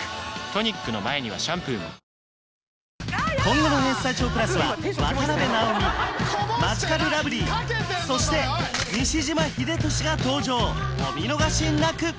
トニックの前にはシャンプーも今後の「ＡＳＴＵＤＩＯ＋」は渡辺直美マヂカルラブリーそして西島秀俊が登場お見逃しなく！